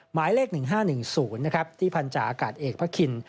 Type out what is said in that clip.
หมายเลข๑๕๑๐ที่พันธาอากาศเอกพระคิน